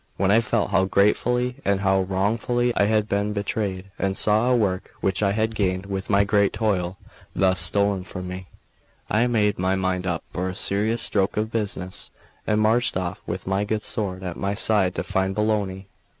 When I felt how greatly and how wrongfully I had been betrayed, and saw a work which I had gained with my great toil thus stolen from me, I made my mind up for a serious stroke of business, and marched off with my good sword at my side to find Bologna.